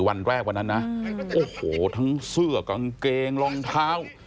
วันแรกวันนั้นนะโอ้โหทั้งเสื้อกางเกงรองเท้า